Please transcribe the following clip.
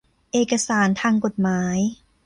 เอกสารทางกฎหมาย